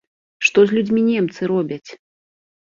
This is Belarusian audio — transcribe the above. Што з людзьмі немцы робяць?